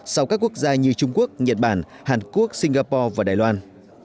sau các quốc gia như trung quốc nhật bản hàn quốc singapore và đài loan